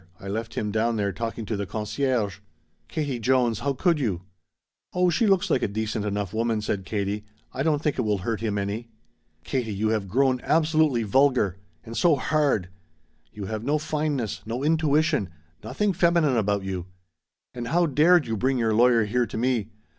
I left him down there talking to the concierge." "Katie Jones how could you!" "Oh she looks like a decent enough woman," said Katie. "I don't think it will hurt him any." "Katie, you have grown absolutely vulgar. And so hard. You have no fineness no intuition nothing feminine about you. And how dared you bring your lawyer here to me?